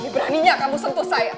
beraninya kamu sentuh saya